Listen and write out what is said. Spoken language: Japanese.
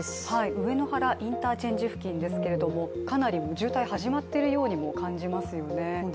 上野原インターチェンジ付近ですけれどもかなり渋滞、始まっているようにも感じますね。